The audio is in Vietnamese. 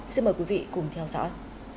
xin mời quý vị cùng theo dõi